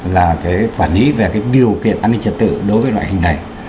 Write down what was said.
là cái quản lý về cái điều kiện an ninh trật tự đối với loại hình này